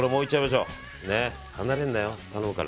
離れるなよ、頼むから。